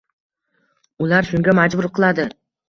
Ular shunga majbur qiladi